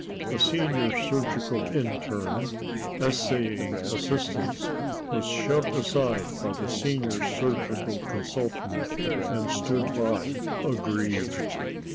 The senior surgical interne, essaying assistance, was shoved aside by the senior surgical consultant, and stood by, aggrieved.